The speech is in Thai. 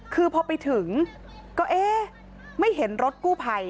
คือพอไปถึงก็เอ๊ะไม่เห็นรถกู้ภัย